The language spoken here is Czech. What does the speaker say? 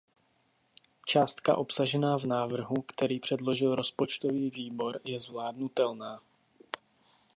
Částka obsažená v návrhu, který předložil Rozpočtový výbor, je zvládnutelná.